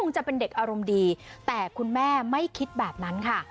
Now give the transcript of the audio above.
ฉันจำได้จำมา